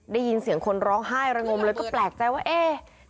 ได้ยินเสียงคนร้องไห้ระงมเลยก็แปลกใจว่าเอ๊ะ